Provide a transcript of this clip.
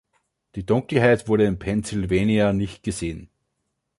Die Dunkelheit wurde in Pennsylvania nicht gesehen.